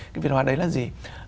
cái việt hóa đấy là gì